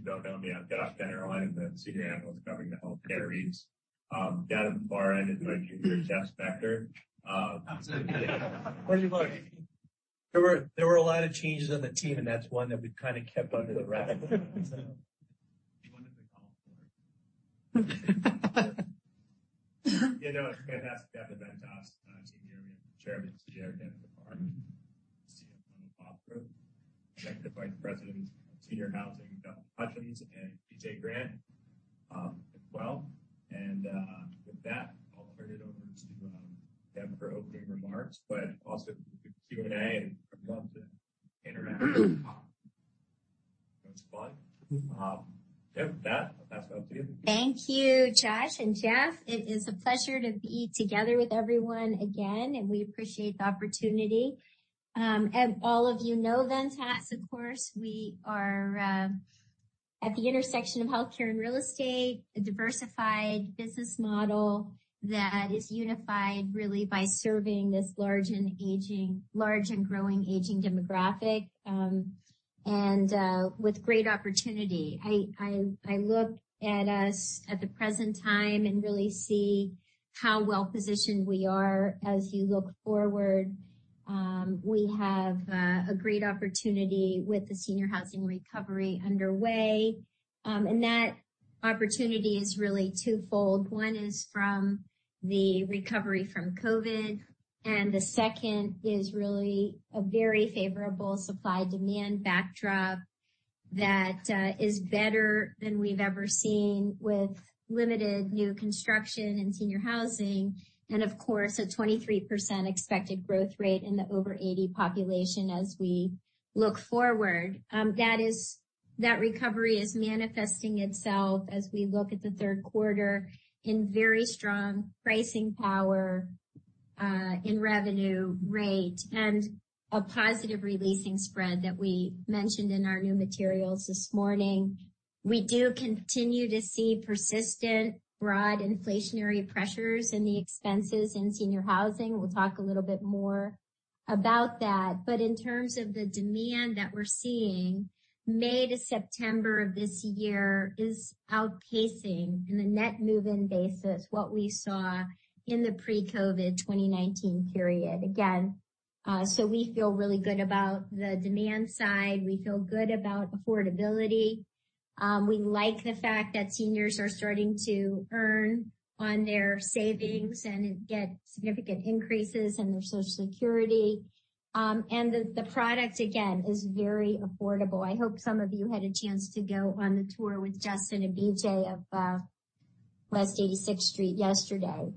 You don't know me. I'm Josh. [inaudible] Down at the far end is Jeff Spector. Absolutely. Where are you going? There were a lot of changes on the team, and that's one that we kind of kept under the rug. Yeah, no, it's fantastic. Debra Cafaro, Chairman and CEO of Ventas, CFO Bob Probst, Executive Vice President, Senior Housing Justin Hutchens, and BJ Grant as well. With that, I'll turn it over to Deb for opening remarks, but also to the Q&A and for them to interact with us. Thank you, Josh and Jeff. It is a pleasure to be together with everyone again, and we appreciate the opportunity. As all of you know, Ventas, of course, we are at the intersection of healthcare and real estate, a diversified business model that is unified really by serving this large and growing aging demographic and with great opportunity. I look at us at the present time and really see how well-positioned we are as you look forward. We have a great opportunity with the senior housing recovery underway. And that opportunity is really twofold. One is from the recovery from COVID, and the second is really a very favorable supply-demand backdrop that is better than we've ever seen with limited new construction and senior housing, and of course, a 23% expected growth rate in the over-80 population as we look forward. That recovery is manifesting itself as we look at the third quarter in very strong pricing power in revenue rate and a positive releasing spread that we mentioned in our new materials this morning. We do continue to see persistent broad inflationary pressures in the expenses in senior housing. We'll talk a little bit more about that. But in terms of the demand that we're seeing, May to September of this year is outpacing in a net move-in basis what we saw in the pre-COVID 2019 period. Again, so we feel really good about the demand side. We feel good about affordability. We like the fact that seniors are starting to earn on their savings and get significant increases in their Social Security, and the product, again, is very affordable. I hope some of you had a chance to go on the tour with Justin and BJ of West 86th Street yesterday.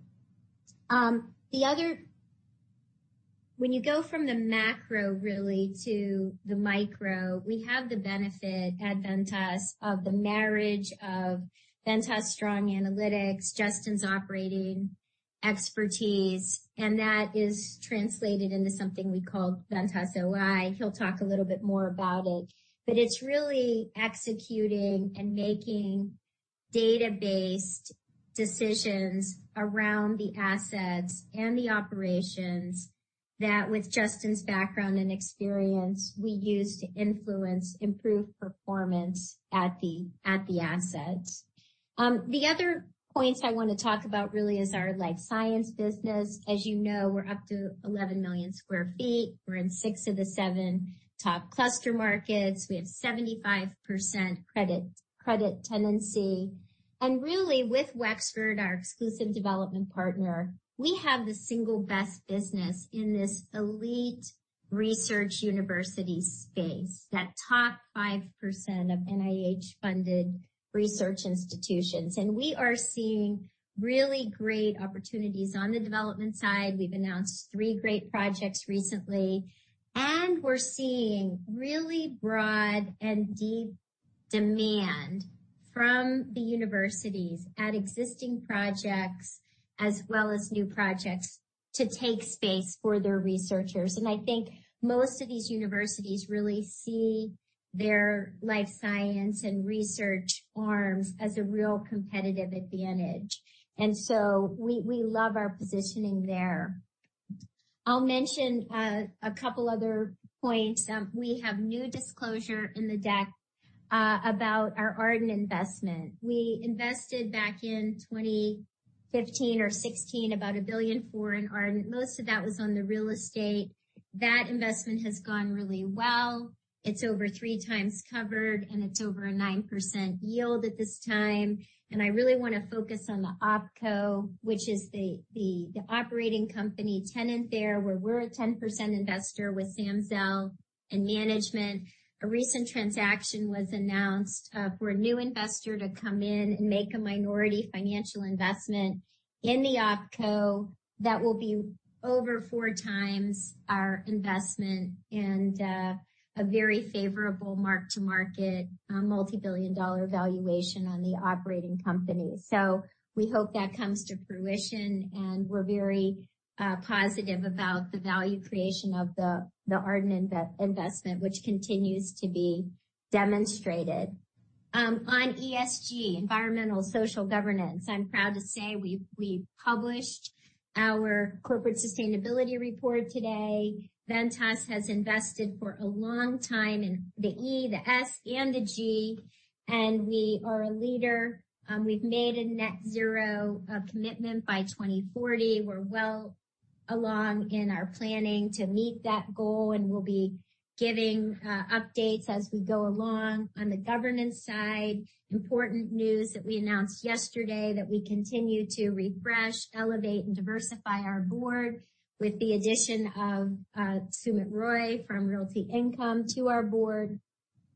When you go from the macro really to the micro, we have the benefit at Ventas of the marriage of Ventas' strong analytics, Justin's operating expertise, and that is translated into something we call Ventas OI. He'll talk a little bit more about it. But it's really executing and making database decisions around the assets and the operations that, with Justin's background and experience, we use to influence improved performance at the assets. The other points I want to talk about really is our science business. As you know, we're up to 11 million sq ft. We're in six of the seven top cluster markets. We have 75% credit tenancy. Really, with Wexford, our exclusive development partner, we have the single best business in this elite research university space, that top 5% of NIH-funded research institutions. We are seeing really great opportunities on the development side. We've announced three great projects recently. We're seeing really broad and deep demand from the universities at existing projects as well as new projects to take space for their researchers. I think most of these universities really see their life science and research arms as a real competitive advantage. We love our positioning there. I'll mention a couple other points. We have new disclosure in the deck about our Ardent investment. We invested back in 2015 or 2016 about $1 billion for Ardent. Most of that was on the real estate. That investment has gone really well. It's over three times covered, and it's over a 9% yield at this time. And I really want to focus on the OpCo, which is the operating company tenant there where we're a 10% investor with Sam Zell and management. A recent transaction was announced for a new investor to come in and make a minority financial investment in the OpCo that will be over four times our investment and a very favorable mark-to-market multibillion-dollar valuation on the operating company. So we hope that comes to fruition, and we're very positive about the value creation of the Ardent investment, which continues to be demonstrated. On ESG, environmental social governance, I'm proud to say we published our corporate sustainability report today. Ventas has invested for a long time in the E, the S, and the G, and we are a leader. We've made a net zero commitment by 2040. We're well along in our planning to meet that goal, and we'll be giving updates as we go along. On the governance side, important news that we announced yesterday, that we continue to refresh, elevate, and diversify our board with the addition of Sumit Roy from Realty Income to our board.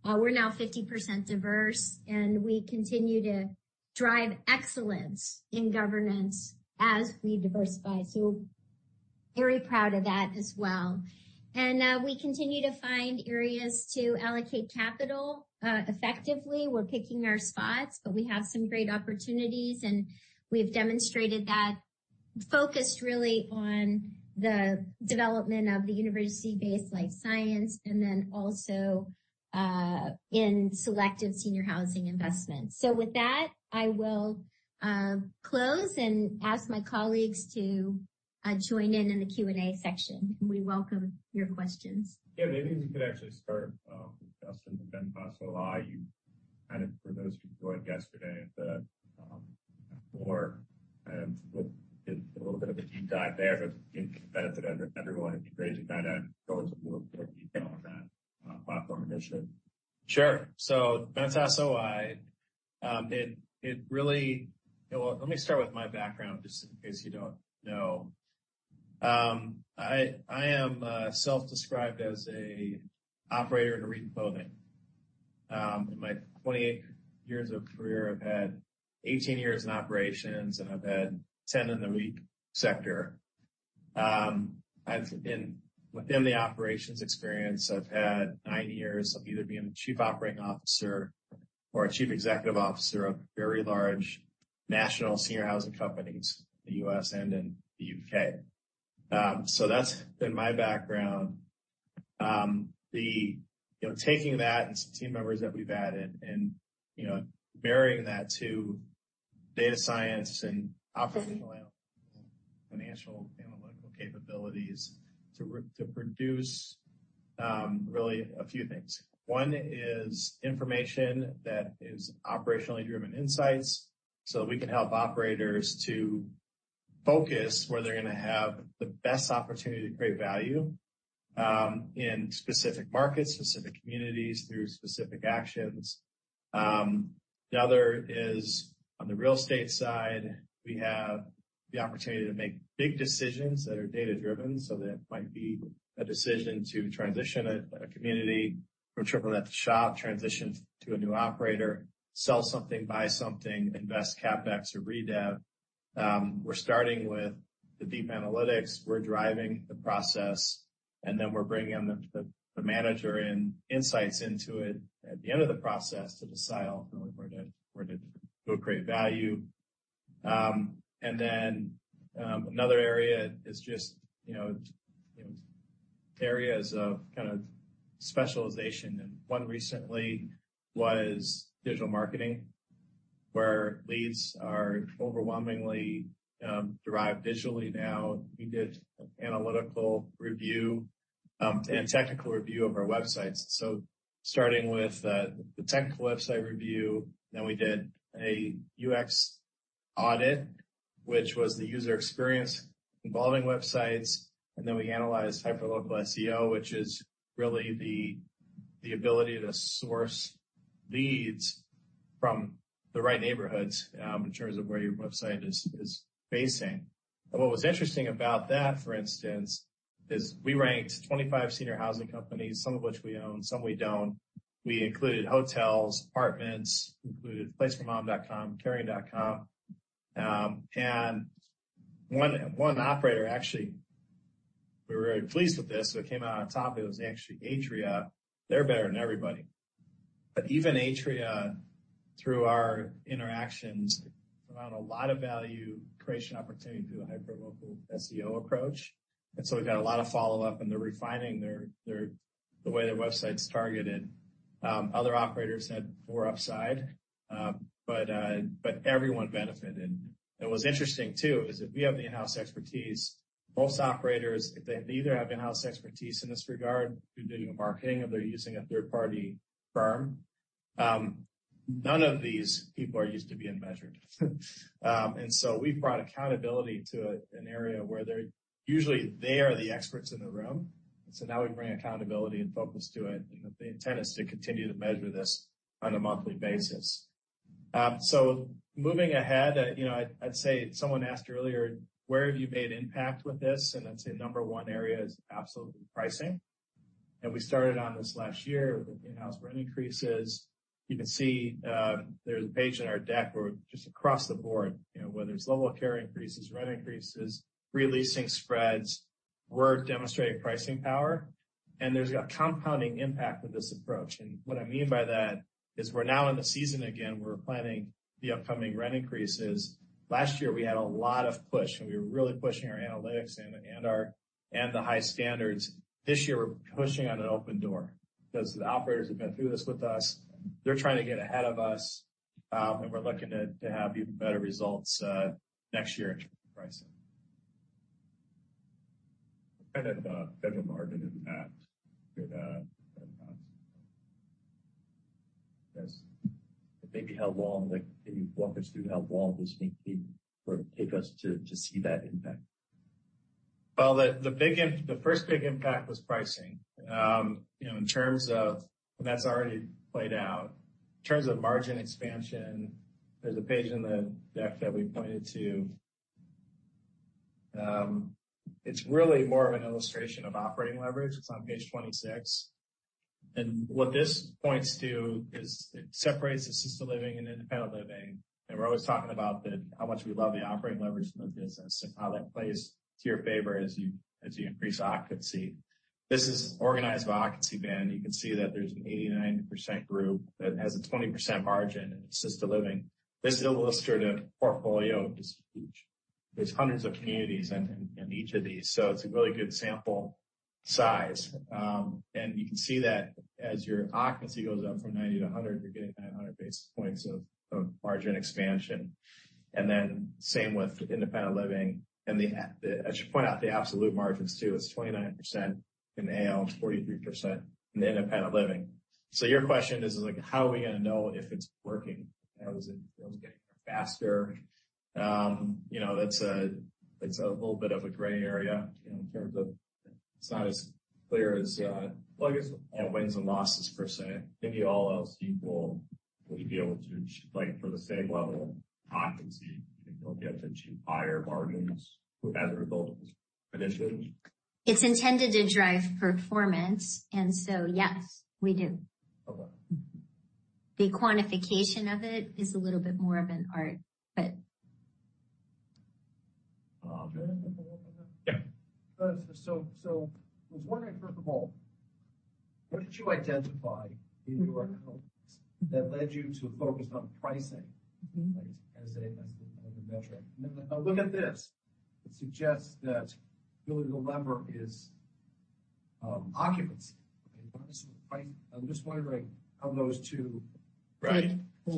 We're now 50% diverse, and we continue to drive excellence in governance as we diversify. So very proud of that as well. And we continue to find areas to allocate capital effectively. We're picking our spots, but we have some great opportunities, and we've demonstrated that focused really on the development of the university-based life science and then also in selective senior housing investments. So with that, I will close and ask my colleagues to join in the Q&A section. We welcome your questions. Yeah, maybe we could actually start with Justin and Ventas OI. Kind of for those who joined yesterday at the. More kind of a little bit of a deep dive there, but it'd be benefit everyone. It'd be great to kind of go into a little more detail on that platform initiative. Sure. So Ventas OI, it really, well, let me start with my background just in case you don't know. I am self-described as an operator in a retail building. In my 28 years of career, I've had 18 years in operations, and I've had 10 in the retail sector. Within the operations experience, I've had nine years of either being a chief operating officer or a chief executive officer of very large national senior housing companies in the U.S. and in the U.K. So that's been my background. Taking that and some team members that we've added and marrying that to data science and operational analytical capabilities to produce really a few things. One is information that is operationally driven insights so that we can help operators to focus where they're going to have the best opportunity to create value in specific markets, specific communities through specific actions. The other is on the real estate side, we have the opportunity to make big decisions that are data-driven, so that might be a decision to transition a community from triple-net to SHOP, transition to a new operator, sell something, buy something, invest CapEx or redev. We're starting with the deep analytics. We're driving the process, and then we're bringing the manager and insights into it at the end of the process to decide ultimately where to create value, and then another area is just areas of kind of specialization. And one recently was digital marketing where leads are overwhelmingly derived digitally now. We did an analytical review and technical review of our websites, so starting with the technical website review, then we did a UX audit, which was the user experience involving websites. Then we analyzed hyperlocal SEO, which is really the ability to source leads from the right neighborhoods in terms of where your website is facing. What was interesting about that, for instance, is we ranked 25 senior housing companies, some of which we own, some we don't. We included hotels, apartments, included aplaceformom.com, Caring.com, and one operator, actually, we were very pleased with this. It came out on top. It was actually Atria. They're better than everybody. But even Atria, through our interactions, found a lot of value creation opportunity through a hyperlocal SEO approach, and so we've had a lot of follow-up in the refining, the way the website's targeted. Other operators had more upside, but everyone benefited. A And what's interesting too is if we have the in-house expertise. Most operators, if they neither have in-house expertise in this regard, they're doing marketing or they're using a third-party firm. None of these people are used to being measured. And so we've brought accountability to an area where usually they are the experts in the room. And so now we bring accountability and focus to it. And the intent is to continue to measure this on a monthly basis. So moving ahead, I'd say someone asked earlier, where have you made impact with this? And I'd say number one area is absolutely pricing. And we started on this last year with in-house rent increases. You can see there's a page in our deck where just across the board, whether it's level of care increases, rent increases, releasing spreads, we're demonstrating pricing power. There's a compounding impact with this approach. What I mean by that is we're now in the season again. We're planning the upcoming rent increases. Last year, we had a lot of push, and we were really pushing our analytics and the high standards. This year, we're pushing on an open door because the operators have been through this with us. They're trying to get ahead of us, and we're looking to have even better results next year in terms of pricing. Kind of. Federal market impact with Ventas. Yes. Maybe, how long can you walk us through how long this may take us to see that impact? The first big impact was pricing. In terms of, and that's already played out, in terms of margin expansion, there's a page in the deck that we pointed to. It's really more of an illustration of operating leverage. It's on page 26. What this points to is it separates assisted living and independent living. We're always talking about how much we love the operating leverage in the business and how that plays to your favor as you increase occupancy. This is organized by occupancy band. You can see that there's an 89% group that has a 20% margin in assisted living. This illustrative portfolio is huge. There's hundreds of communities in each of these. So it's a really good sample size. You can see that as your occupancy goes up from 90 to 100, you're getting 900 basis points of margin expansion. Same with independent living. I should point out the absolute margins too. It's 29% in AL and 43% in independent living. So your question is, how are we going to know if it's working? How is it getting faster? That's a little bit of a gray area in terms of it's not as clear as. Well, I guess, wins and losses per se. Could be all else equal, would you be able to like for the same level of occupancy, you think you'll be able to achieve higher margins as a result of this initiative? It's intended to drive performance. And so, yes, we do. The quantification of it is a little bit more of an art, but. Yeah. So I was wondering, first of all, what did you identify in your analysis that led you to focus on pricing as a metric? And then I'll look at this. It suggests that really the lever is occupancy. I'm just wondering how those two? Right. Right.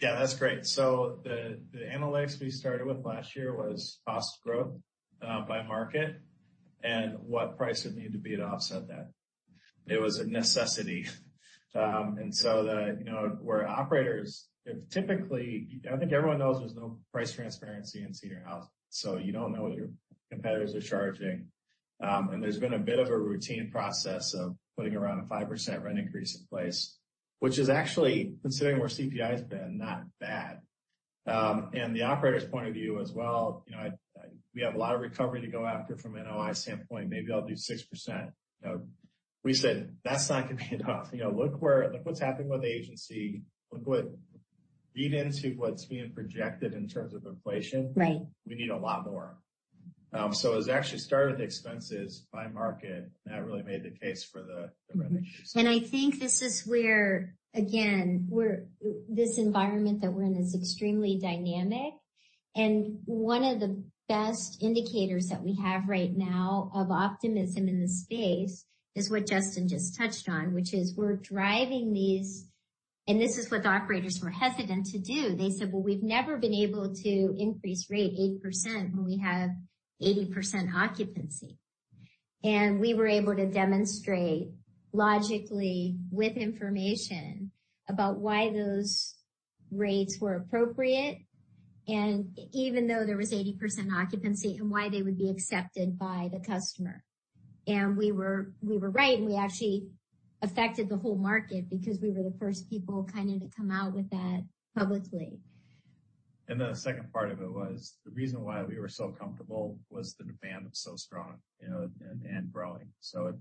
Yeah, that's great. So the analytics we started with last year was cost growth by market and what price would need to be to offset that. It was a necessity, and so where operators typically—I think everyone knows there's no price transparency in senior housing, so you don't know what your competitors are charging, and there's been a bit of a routine process of putting around a 5% rent increase in place, which is actually, considering where CPI has been, not bad, and the operator's point of view as well, we have a lot of recovery to go after from an NOI standpoint. Maybe I'll do 6%. We said, "That's not going to be enough. Look what's happening with the agency. Read into what's being projected in terms of inflation. Right. We need a lot more." So it was actually started with expenses by market, and that really made the case for the rent increase. I think this is where, again, this environment that we're in is extremely dynamic. One of the best indicators that we have right now of optimism in the space is what Justin just touched on, which is we're driving these, and this is what the operators were hesitant to do. They said, "Well, we've never been able to increase rate 8% when we have 80% occupancy." We were able to demonstrate logically with information about why those rates were appropriate and even though there was 80% occupancy and why they would be accepted by the customer. We were right, and we actually affected the whole market because we were the first people kind of to come out with that publicly. And then the second part of it was the reason why we were so comfortable was the demand was so strong and growing. So it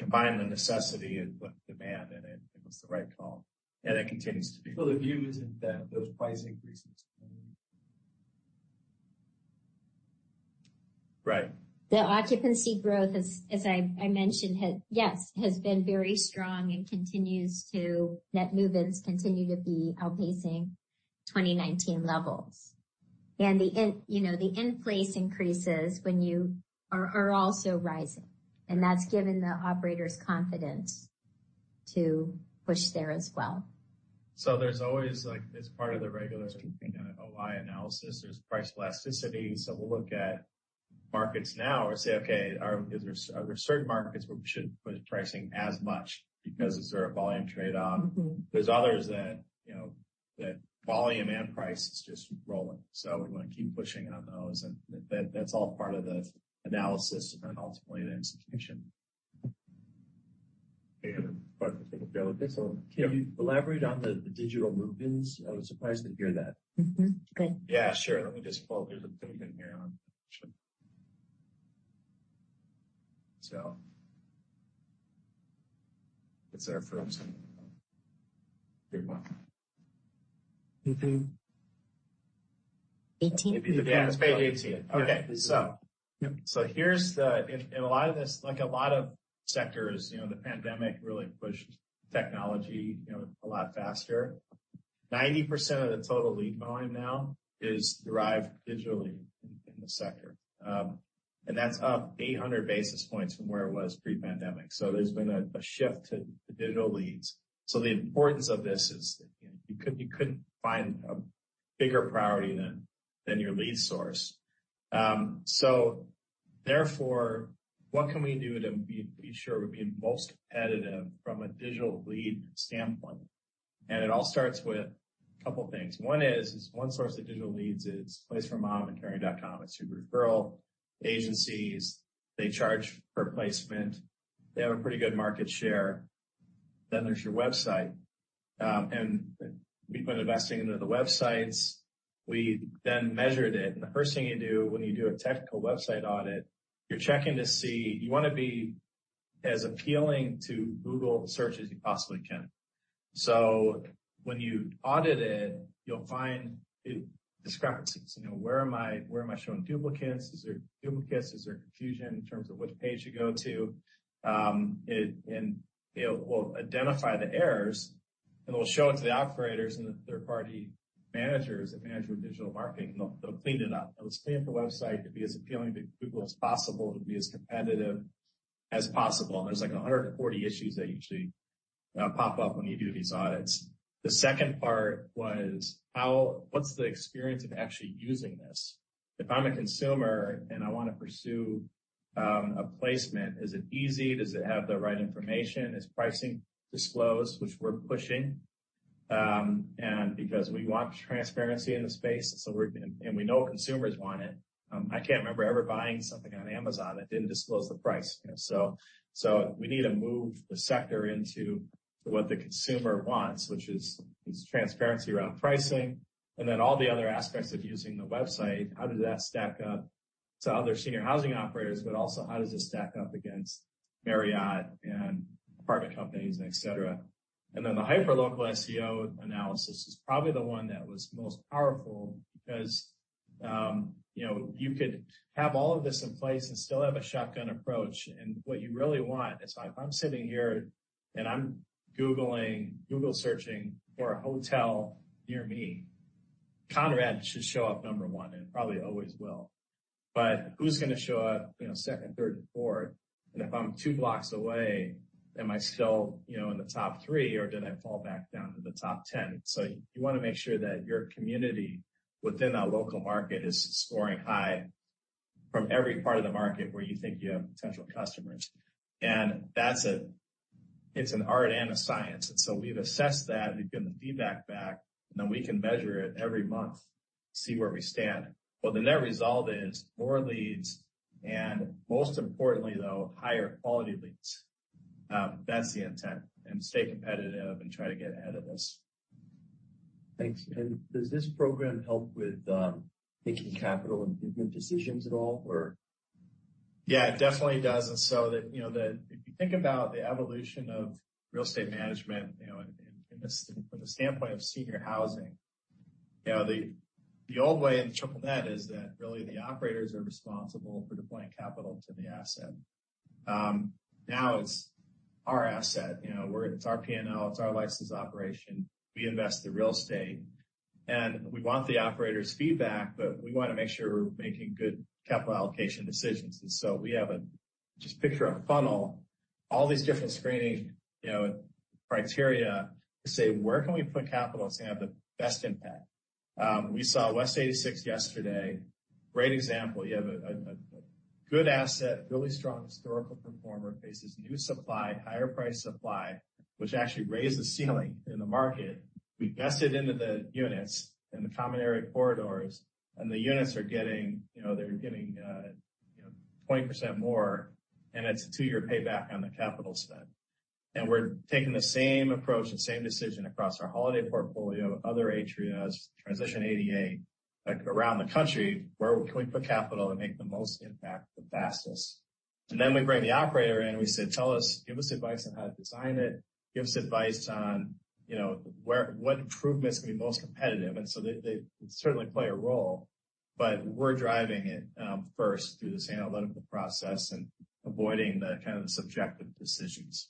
combined the necessity with demand, and it was the right call. And it continues to be. So the view isn't that those price increases. Right. The occupancy growth, as I mentioned, yes, has been very strong and continues to, net movements continue to be outpacing 2019 levels, and the in-place increases are also rising, and that's given the operator's confidence to push there as well. So there's always, as part of the regular OI analysis, there's price elasticity. So we'll look at markets now and say, "Okay, are there certain markets where we shouldn't put pricing as much because there's a volume trade-off?" There's others that volume and price is just rolling. So we want to keep pushing on those. And that's all part of the analysis and then ultimately the institution. And so can you elaborate on the digital movements? I was surprised to hear that. Good. Yeah, sure. Let me just pull up. There's a token here on the, so it's our first. 18. 18. Yeah, it's page 18. Okay. So here's the and a lot of this, like a lot of sectors, the pandemic really pushed technology a lot faster. 90% of the total lead volume now is derived digitally in the sector. And that's up 800 basis points from where it was pre-pandemic. So there's been a shift to digital leads. So the importance of this is you couldn't find a bigger priority than your lead source. So therefore, what can we do to be sure we're being most competitive from a digital lead standpoint? And it all starts with a couple of things. One source of digital leads is Place for Mom and Caring.com. It's your referral agencies. They charge per placement. They have a pretty good market share. Then there's your website. And we've been investing into the websites. We then measured it. The first thing you do when you do a technical website audit, you're checking to see you want to be as appealing to Google search as you possibly can. When you audit it, you'll find discrepancies. Where am I showing duplicates? Is there duplicates? Is there confusion in terms of which page to go to? It will identify the errors, and it will show it to the operators and the third-party managers that manage with digital marketing. They'll clean it up. It was cleaned up the website to be as appealing to Google as possible to be as competitive as possible. There's like 140 issues that usually pop up when you do these audits. The second part was, what's the experience of actually using this? If I'm a consumer and I want to pursue a placement, is it easy? Does it have the right information? Is pricing disclosed, which we're pushing? And because we want transparency in the space, and we know consumers want it, I can't remember ever buying something on Amazon that didn't disclose the price. So we need to move the sector into what the consumer wants, which is transparency around pricing. And then all the other aspects of using the website, how does that stack up to other senior housing operators, but also how does it stack up against Marriott and apartment companies, etc.? And then the hyperlocal SEO analysis is probably the one that was most powerful because you could have all of this in place and still have a shotgun approach. And what you really want is if I'm sitting here and I'm Googling, Google searching for a hotel near me, Conrad should show up number one, and it probably always will. But who's going to show up second, third, and fourth? And if I'm two blocks away, am I still in the top three, or did I fall back down to the top 10? So you want to make sure that your community within that local market is scoring high from every part of the market where you think you have potential customers. And that's an art and a science. And so we've assessed that. We've given the feedback back, and then we can measure it every month, see where we stand. Well, the net result is more leads, and most importantly, though, higher quality leads. That's the intent. And stay competitive and try to get ahead of this. Thanks. And does this program help with making capital improvement decisions at all, or? Yeah, it definitely does. And so if you think about the evolution of real estate management from the standpoint of senior housing, the old way in the triple-net is that really the operators are responsible for deploying capital to the asset. Now it's our asset. It's our P&L. It's our licensed operation. We invest in real estate. And we want the operator's feedback, but we want to make sure we're making good capital allocation decisions. And so we have a just picture of a funnel, all these different screening criteria to say, "Where can we put capital to have the best impact?" We saw West 86 yesterday. Great example. You have a good asset, really strong historical performer, faces new supply, higher price supply, which actually raised the ceiling in the market. We vested into the units and the common area corridors, and the units are getting—they're getting 20% more, and it's a two-year payback on the capital spent. And we're taking the same approach, the same decision across our Holiday portfolio, other Atrias, transition 88 around the country. Where can we put capital to make the most impact the fastest? And then we bring the operator in. We said, "Give us advice on how to design it. Give us advice on what improvements can be most competitive." And so they certainly play a role, but we're driving it first through this analytical process and avoiding the kind of subjective decisions.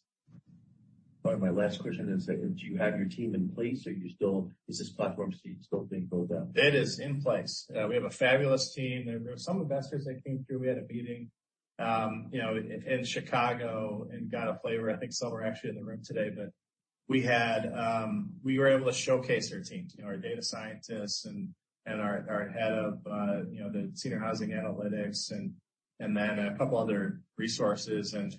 My last question is, do you have your team in place? Or is this platform still being built out? It is in place. We have a fabulous team. There were some investors that came through. We had a meeting in Chicago and got a flavor. I think some are actually in the room today, but we were able to showcase our teams, our data scientists and our head of the senior housing analytics, and then a couple of other resources. And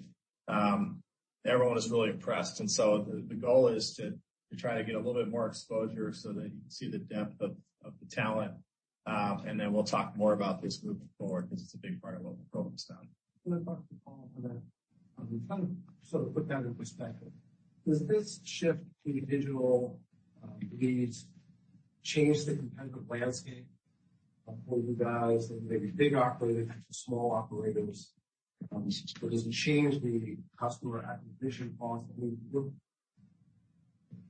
everyone was really impressed. And so the goal is to try to get a little bit more exposure so that you can see the depth of the talent. And then we'll talk more about this moving forward because it's a big part of what we're focused on. I'm going to talk to Paul on that, so to put that in perspective, does this shift in digital leads change the competitive landscape for you guys and maybe big operators to small operators? Or does it change the customer acquisition costs that we look,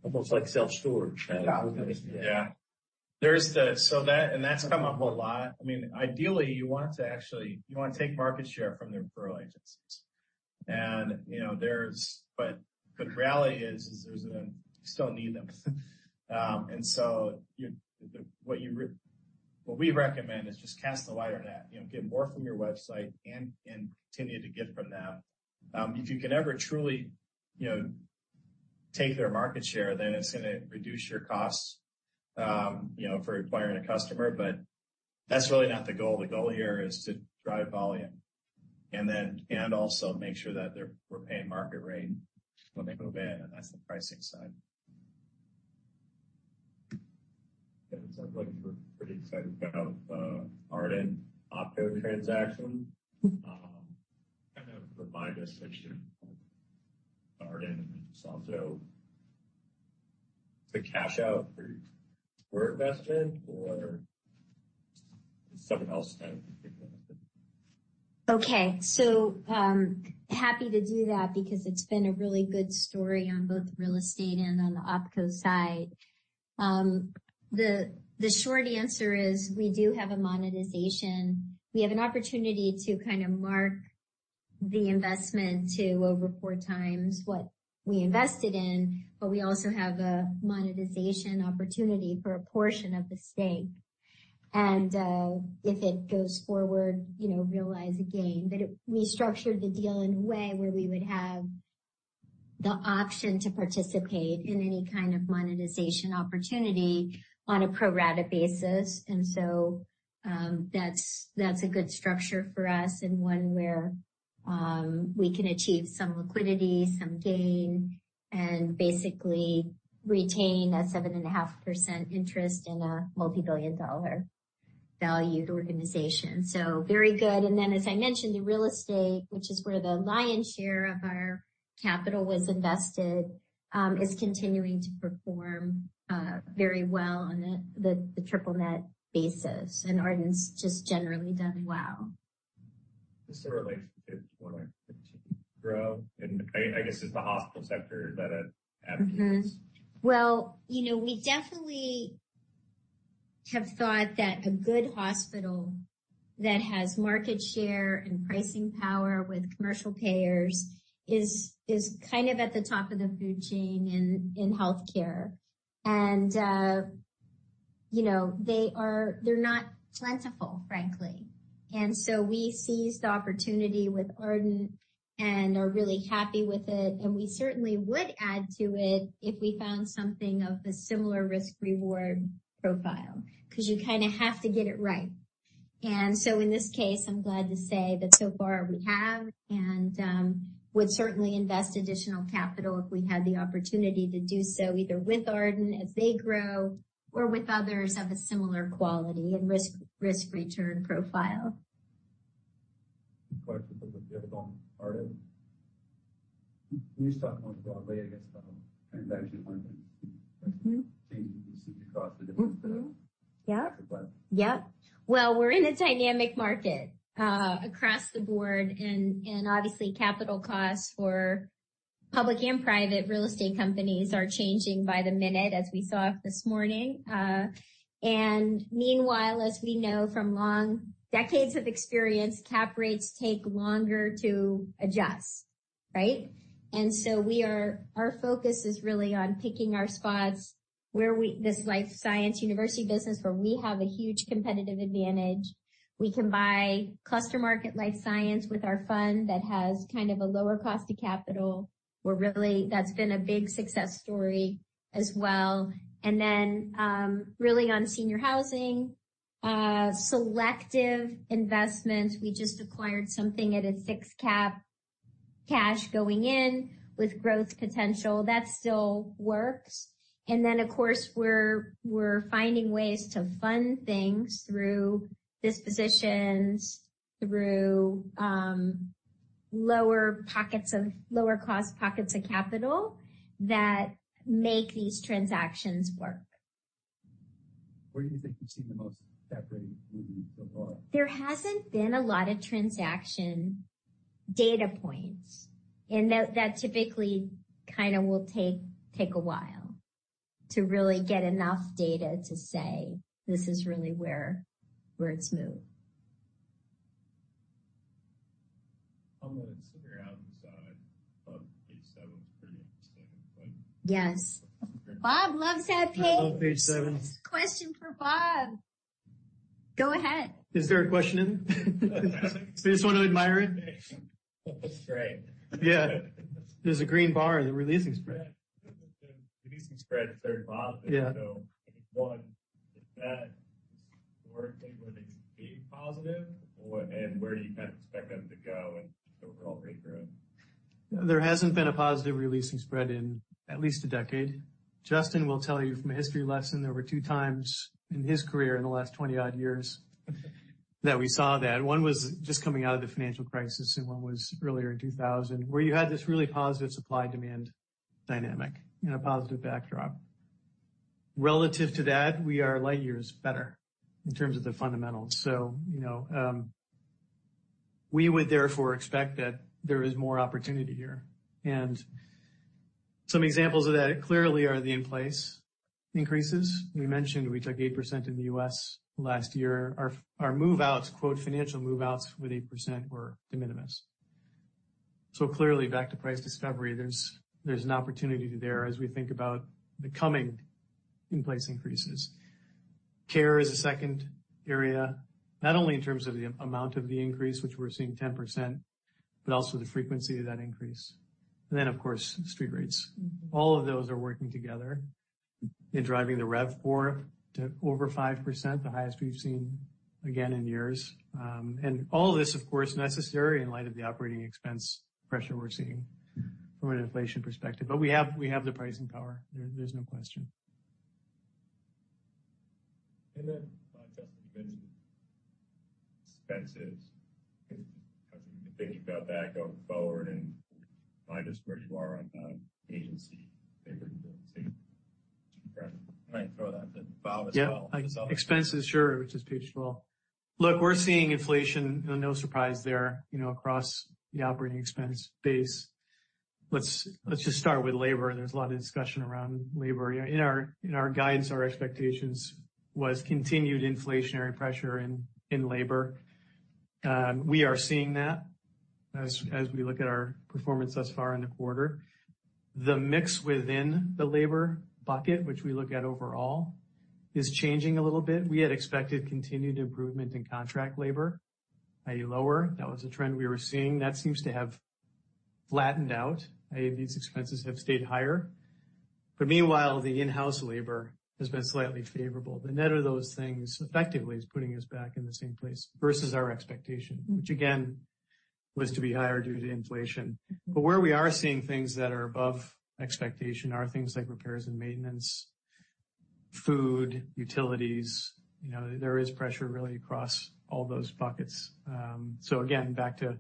almost like self-storage? Yeah. So that's come up a lot. I mean, ideally, you want to actually take market share from the referral agencies. But the reality is, you still need them. And so what we recommend is just cast the wider net, get more from your website, and continue to get from them. If you can ever truly take their market share, then it's going to reduce your costs for acquiring a customer. But that's really not the goal. The goal here is to drive volume and also make sure that we're paying market rate when they move in. And that's the pricing side. It sounds like you were pretty excited about the Ardent Health transaction. Kind of remind us of Ardent and Sam Zell, the cash-out for your investment or something else kind of. Okay. So happy to do that because it's been a really good story on both real estate and on the OpCo side. The short answer is we do have a monetization. We have an opportunity to kind of mark the investment to over four times what we invested in, but we also have a monetization opportunity for a portion of the stake. And if it goes forward, realize a gain. But we structured the deal in a way where we would have the option to participate in any kind of monetization opportunity on a pro rata basis. And so that's a good structure for us and one where we can achieve some liquidity, some gain, and basically retain a 7.5% interest in a multi-billion dollar valued organization. So very good. And then, as I mentioned, the real estate, which is where the lion's share of our capital was invested, is continuing to perform very well on the triple-net basis. And Ardent's just generally done well. Just in relation to what I continue to grow, and I guess it's the hospital sector that it. We definitely have thought that a good hospital that has market share and pricing power with commercial payers is kind of at the top of the food chain in healthcare. And they're not plentiful, frankly. And so we seized the opportunity with Ardent and are really happy with it. And we certainly would add to it if we found something of a similar risk-reward profile because you kind of have to get it right. And so in this case, I'm glad to say that so far we have and would certainly invest additional capital if we had the opportunity to do so, either with Ardent as they grow or with others of a similar quality and risk-return profile. Can you start more broadly against the transaction markets? Changes you see across the different. Yep. Well, we're in a dynamic market across the board. And obviously, capital costs for public and private real estate companies are changing by the minute, as we saw this morning. And meanwhile, as we know from long decades of experience, cap rates take longer to adjust, right? And so our focus is really on picking our spots where this Life Science university business, where we have a huge competitive advantage. We can buy cluster-market Life Science with our fund that has kind of a lower cost of capital. That's been a big success story as well. And then really on senior housing, selective investments. We just acquired something at a six-cap cash going in with growth potential. That still works. And then, of course, we're finding ways to fund things through dispositions, through lower cost pockets of capital that make these transactions work. Where do you think you've seen the most separating movement so far? There hasn't been a lot of transaction data points, and that typically kind of will take a while to really get enough data to say, "This is really where it's moved. On the senior housing side, on page seven, it's pretty interesting. Yes. Bob loves that page. I love page seven. Question for Bob. Go ahead. Is there a question in there? So you just want to admire it? That's great. Yeah. There's a green bar, the releasing spread. The releasing spread is very positive. So one, is that historically where they've been positive? And where do you kind of expect them to go in the overall rate growth? There hasn't been a positive releasing spread in at least a decade. Justin will tell you from a history lesson, there were two times in his career in the last 20-odd years that we saw that. One was just coming out of the financial crisis, and one was earlier in 2000, where you had this really positive supply-demand dynamic and a positive backdrop. Relative to that, we are light years better in terms of the fundamentals. So we would therefore expect that there is more opportunity here. And some examples of that clearly are the in-place increases. We mentioned we took 8% in the U.S. last year. Our move-outs, financial move-outs with 8%, were de minimis. So clearly, back to price discovery, there's an opportunity there as we think about the coming in-place increases. Care is a second area, not only in terms of the amount of the increase, which we're seeing 10%, but also the frequency of that increase. And then, of course, street rates. All of those are working together in driving the RevPOR to over 5%, the highest we've seen again in years. And all of this, of course, necessary in light of the operating expense pressure we're seeing from an inflation perspective. But we have the pricing power. There's no question. And then, Justin, you mentioned expenses. How do you think about that going forward and remind us where you are on the agency? I might throw that to Bob as well. Expenses, sure, which is page 12. Look, we're seeing inflation, no surprise there, across the operating expense base. Let's just start with labor. There's a lot of discussion around labor. In our guidance, our expectations was continued inflationary pressure in labor. We are seeing that as we look at our performance thus far in the quarter. The mix within the labor bucket, which we look at overall, is changing a little bit. We had expected continued improvement in contract labor, i.e., lower. That was a trend we were seeing. That seems to have flattened out. I mean, these expenses have stayed higher. But meanwhile, the in-house labor has been slightly favorable. The net of those things effectively is putting us back in the same place versus our expectation, which again was to be higher due to inflation. But where we are seeing things that are above expectation are things like repairs and maintenance, food, utilities. There is pressure really across all those buckets. So again, back to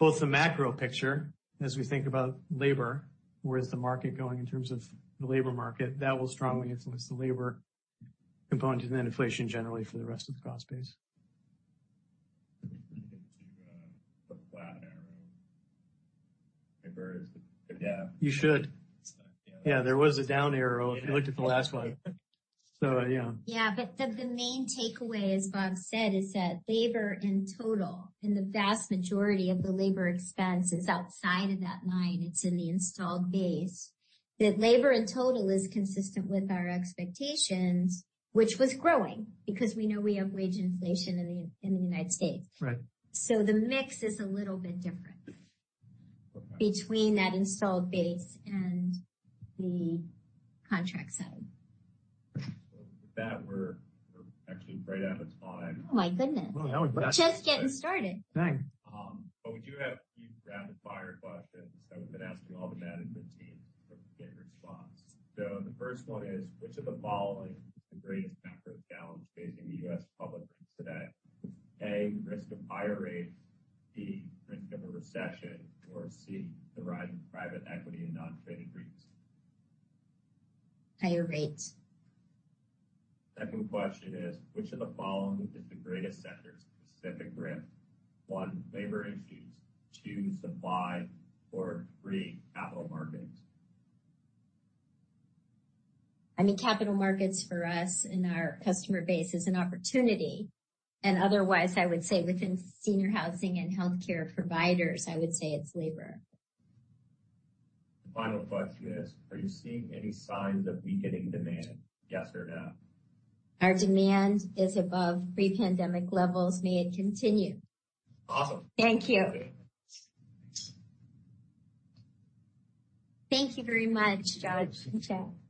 both the macro picture, as we think about labor, where is the market going in terms of the labor market? That will strongly influence the labor component and then inflation generally for the rest of the cost base. Let me get to the flat arrow. You should. Yeah, there was a down arrow if you looked at the last one. So yeah. Yeah. But the main takeaway, as Bob said, is that labor in total, and the vast majority of the labor expense is outside of that line. It's in the installed base. That labor in total is consistent with our expectations, which was growing because we know we have wage inflation in the United States. So the mix is a little bit different between that installed base and the contract side. With that, we're actually right out of time. Oh, my goodness! Oh, how we're doing? We're just getting started. Thanks. But we do have a few rapid-fire questions that we've been asking all the management teams to get response. So the first one is, which of the following is the greatest macro challenge facing the U.S. public today? A, risk of higher rates, B, risk of a recession, or C, the rise in private equity and non-traded REITs? Higher rates. Second question is, which of the following is the greatest sector specific risk? One, labor issues, two, supply, or three, capital markets? I mean, capital markets for us in our customer base is an opportunity. And otherwise, I would say within senior housing and healthcare providers, I would say it's labor. The final question is, are you seeing any signs of weakening demand? Yes or no? Our demand is above pre-pandemic levels. May it continue. Awesome. Thank you. Thank you very much, Josh. Thanks, Josh. You too.